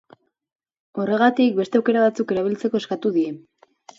Horregatik, beste aukera batzuk erabiltzeko eskatu die.